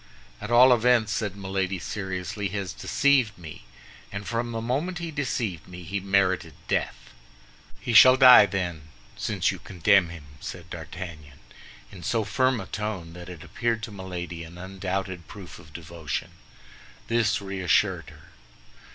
"At all events," said Milady, seriously, "he has deceived me, and from the moment he deceived me, he merited death." "He shall die, then, since you condemn him!" said D'Artagnan, in so firm a tone that it appeared to Milady an undoubted proof of devotion. This reassured her.